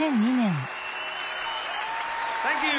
サンキュー！